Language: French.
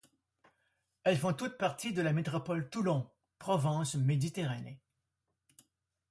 Elles font toutes parties de la métropole Toulon Provence Méditerranée.